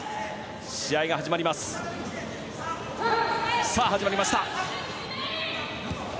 試合が始まりました。